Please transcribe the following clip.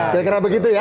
tidak kira begitu ya